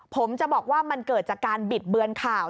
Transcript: ผมจะบอกว่ามันเกิดจากการบิดเบือนข่าว